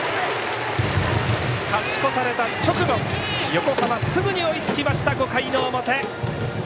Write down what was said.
勝ち越された直後横浜、すぐに追いつきました５回の表！